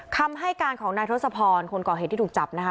คำให้การของนายทศพรคนก่อเหตุที่ถูกจับนะคะ